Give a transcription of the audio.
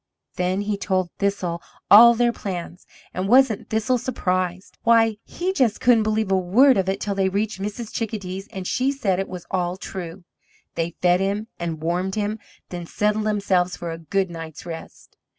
Then he told Thistle all their plans, and wasn't Thistle surprised? Why, he just couldn't believe a word of it till they reached Mrs. Chickadee's and she said it was all true. They fed him and warmed him, then settled themselves for a good night's rest.